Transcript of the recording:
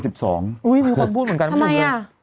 มีคนพูดเหมือนกันก็พูดเหมือนกันฮะฮะทำไม